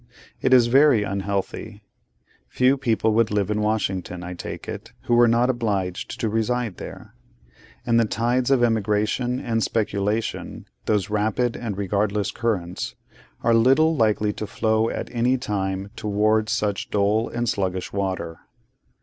It is very unhealthy. Few people would live in Washington, I take it, who were not obliged to reside there; and the tides of emigration and speculation, those rapid and regardless currents, are little likely to flow at any time towards such dull and sluggish water.